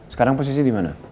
sekarang posisi dimana